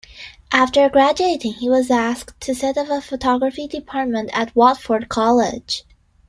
After graduating, he was asked to set up a photography department at Watford College.